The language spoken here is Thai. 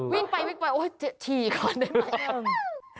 วิ่งไปวิ่งไปโอ๊ยฉี่ก่อนได้ไหม